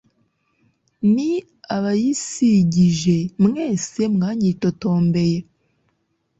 n abayis gije mwese mwanyitotombeye